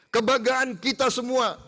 kebagaian kita semua